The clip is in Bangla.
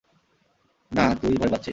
না, তুই ভয় পাচ্ছিস।